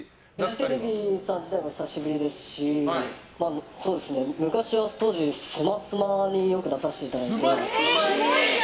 フジテレビさん自体が久しぶりですし昔は当時、「スマスマ」によく出させていただいて。